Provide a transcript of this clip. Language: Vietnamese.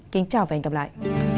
kính chào và hẹn gặp lại